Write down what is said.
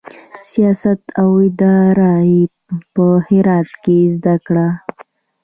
سیاست او اداره یې په هرات کې زده کړه.